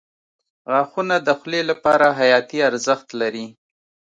• غاښونه د خولې لپاره حیاتي ارزښت لري.